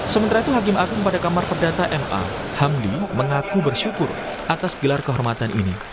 sementara itu hakim agung pada kamar perdata ma hamdi mengaku bersyukur atas gelar kehormatan ini